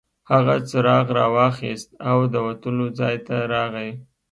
هغه څراغ راواخیست او د وتلو ځای ته راغی.